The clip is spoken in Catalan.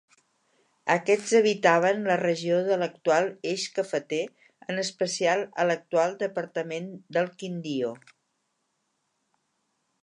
Aquests habitaven la regió de l'actual Eix Cafeter, en especial a l'actual departament del Quindío.